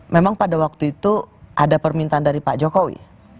memang pada waktu itu ada permintaan dari pak jokowi